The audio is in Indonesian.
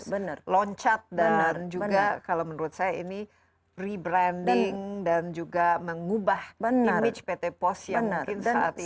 benar loncat dan juga kalau menurut saya ini rebranding dan juga mengubah image pt pos yang mungkin saat ini